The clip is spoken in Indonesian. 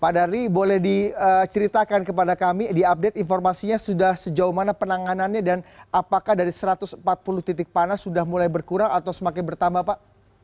pak darwi boleh diceritakan kepada kami diupdate informasinya sudah sejauh mana penanganannya dan apakah dari satu ratus empat puluh titik panas sudah mulai berkurang atau semakin bertambah pak